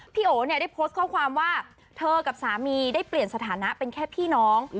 โอเนี่ยได้โพสต์ข้อความว่าเธอกับสามีได้เปลี่ยนสถานะเป็นแค่พี่น้อง